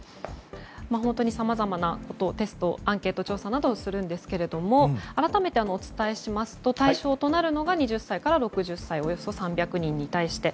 本当にさまざまなテスト、アンケート調査などをするんですが改めてお伝えしますと対象となるのが２０歳から６０歳およそ３００人に対して。